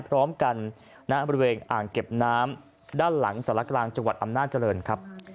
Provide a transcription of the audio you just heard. พร้อมกันณบริเวณอ่างเก็บน้ำด้านหลังสารกลางจังหวัดอำนาจเจริญครับ